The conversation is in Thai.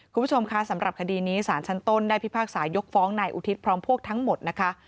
คุณผู้ชมคะสำหรับคดีนี้สารชั้นต้นได้พิพากษายกฟ้องนายอุทิศพร้อมพวกทั้งหมดนะคะ